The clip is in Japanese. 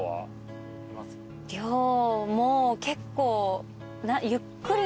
量も結構。